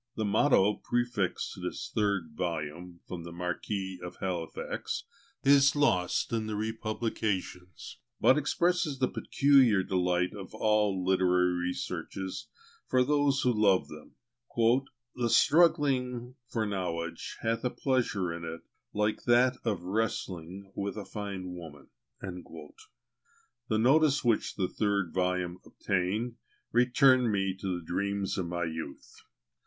The motto prefixed to this third volume from the Marquis of Halifax is lost in the republications, but expresses the peculiar delight of all literary researches for those who love them: "The struggling for knowledge hath a pleasure in it like that of wrestling with a fine woman." The notice which the third volume obtained, returned me to the dream of my youth.